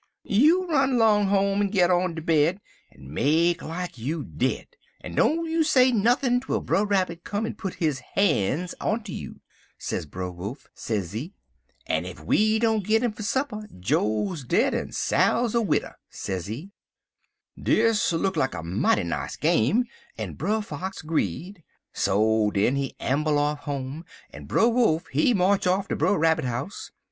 "'You run 'long home, en git on de bed, en make like you dead, en don't you say nothin' twel Brer Rabbit come en put his han's onter you,' sez Brer Wolf, sezee, 'en ef we don't git 'im fer supper, Joe's dead en Sal's a widder,' sezee. "Dis look like mighty nice game, en Brer Fox 'greed. So den he amble off home, en Brer Wolf, he march off ter Brer Rabbit house.